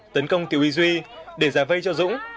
tấn công thiệu úy duy để giả vây cho dũng